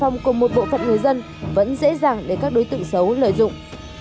người dân vẫn dễ dàng để các đối tượng xấu lợi dụng